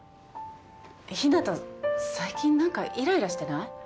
陽向最近何かイライラしてない？